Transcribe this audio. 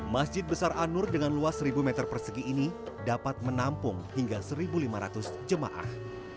masjid besar anur dengan luas seribu meter persegi ini dapat menampung hingga satu lima ratus jemaah